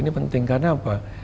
ini penting karena apa